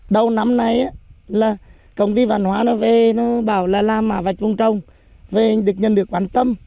đầu năm nay công ty văn hóa nó về nó bảo là làm mà vạch vùng trồng về được nhân được quan tâm